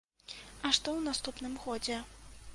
А што ў наступным годзе?